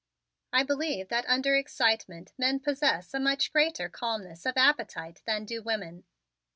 I believe that under excitement men possess a much greater calmness of appetite than do women.